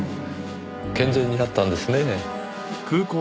健全になったんですねぇ。